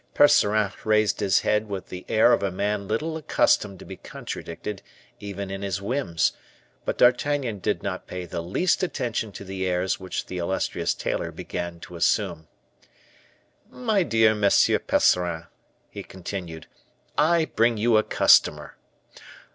Percerin raised his head with the air of a man little accustomed to be contradicted, even in his whims; but D'Artagnan did not pay the least attention to the airs which the illustrious tailor began to assume. "My dear M. Percerin," he continued, "I bring you a customer."